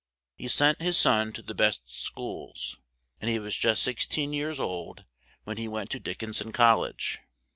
He sent his son to the best schools and he was just six teen years old when he went to Dick in son col lege.